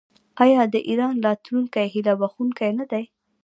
آیا د ایران راتلونکی هیله بښونکی نه دی؟